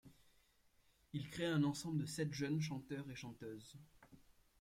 Il crée un ensemble de sept jeunes chanteurs et chanteuses.